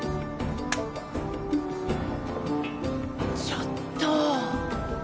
ちょっと！